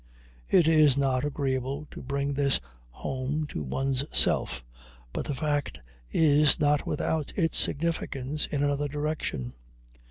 It is not agreeable to bring this home to one's self, but the fact is not without its significance in another direction.